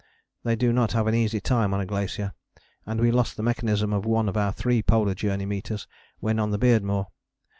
They do not have an easy time on a glacier, and we lost the mechanism of one of our three Polar Journey meters when on the Beardmore.